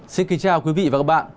xin kính chào quý vị và các bạn